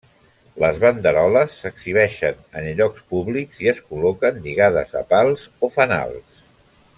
Les banderoles s'exhibeixen en llocs públics i es col·loquen lligades a pals o fanals.